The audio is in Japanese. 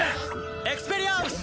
エクスペリアームス！